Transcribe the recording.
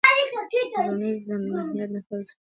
ټولنیز هیت د انفرادي نظریاتو په پرتله ډیر جدي او قوي دی.